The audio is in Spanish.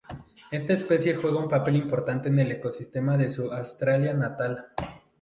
Esta especie juega un papel importante en el ecosistema de su Australia natal.